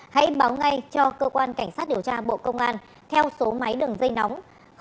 hãy báo ngay cho cơ quan cảnh sát điều tra bộ công an theo số máy đường dây nóng sáu mươi chín hai trăm ba mươi bốn năm nghìn tám trăm sáu mươi